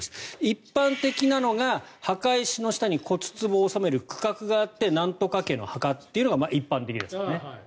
一般的なのが墓石の下に骨つぼを納める区画があってなんとか家之墓っていうのが一般的ですよね。